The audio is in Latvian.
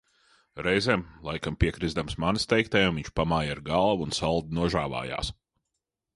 Reizēm laikam piekrizdams manis teiktajam, viņš pamāja ar galvu un saldi nožāvājās.